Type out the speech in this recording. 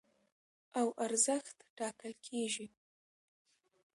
او ارزښت ټاکل کېږي.